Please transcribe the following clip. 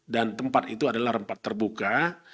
dan tempat itu adalah tempat terbuka